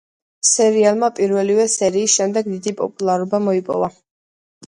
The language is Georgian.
სერიალმა პირველივე სერიის შემდეგ დიდი პოპულარობა მოიპოვა.